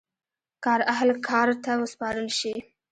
کار اهل کار ته وسپارل شي.